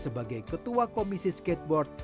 sebagai ketua komisi skateboard